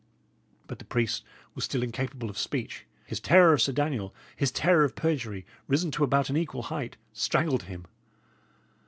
But the priest was still incapable of speech. His terror of Sir Daniel, his terror of perjury, risen to about an equal height, strangled him.